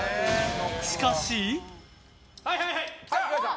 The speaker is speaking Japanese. しかし。